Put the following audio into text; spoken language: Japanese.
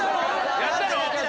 やったの？